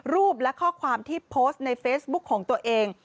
และข้อความที่โพสต์ในเฟซบุ๊คของตัวเอง